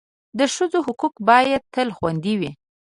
د ښځو حقوق باید تل خوندي وي.